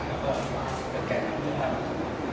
และกระแก่น้ำเมืองธรรมดิน